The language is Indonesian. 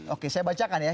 oke saya bacakan ya